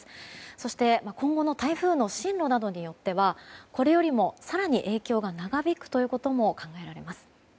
そして、今後の台風の進路などによってはこれよりも更に影響が長引くことも考えられます。